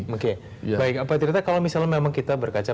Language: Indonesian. oke baik pak tirita kalau misalnya memang kita berkaca